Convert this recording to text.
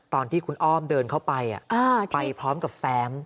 ตอนที่คุณอ้อมเดินเข้าไปไปพร้อมกับแฟ้ม